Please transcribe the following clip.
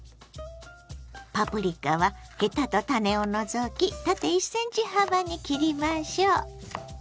パプリカはヘタと種を除き縦１ｃｍ幅に切りましょう。